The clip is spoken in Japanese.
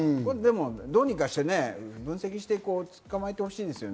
どうにかして分析して捕まえてほしいですね。